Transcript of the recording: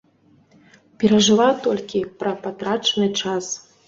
Перажываў толькі пра патрачаны час.